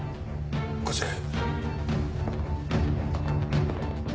こちらへ。